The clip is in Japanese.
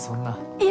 いえ！